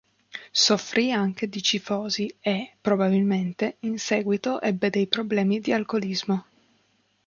Soffrì anche di cifosi e, probabilmente, in seguito ebbe dei problemi di alcolismo.